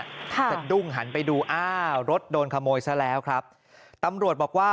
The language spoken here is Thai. สะดุ้งหันไปดูอ้าวรถโดนขโมยซะแล้วครับตำรวจบอกว่า